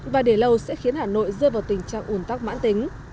và để lâu sẽ khiến hà nội rơi vào tình trạng ủn tắc mãn tính